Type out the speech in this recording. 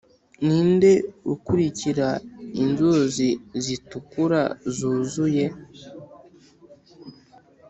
ninde ukurikira inzuzi zitukura, zuzuye